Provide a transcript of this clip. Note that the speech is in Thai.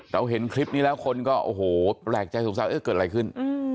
เราเห็นคลิปนี้แล้วคนก็โอ้โหแปลกใจสงสัยเออเกิดอะไรขึ้น